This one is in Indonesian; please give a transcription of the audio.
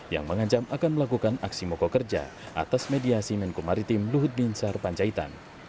yang mengancam akan melakukan aksi mogok kerja atas mediasi menku maritim luhut bin syar panjaitan